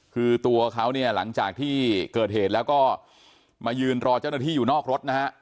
คือตัวเขาเนี่ยหลังจากที่เกิดเหตุแล้วก็มายืนรอเจ้าหน้าที่อยู่นอกรถนะฮะ